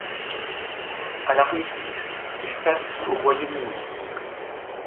À l’armistice, il passe au Royaume-Uni.